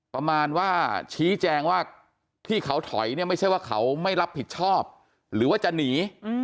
ประมาณว่าชี้แจงว่าที่เขาถอยเนี่ยไม่ใช่ว่าเขาไม่รับผิดชอบหรือว่าจะหนี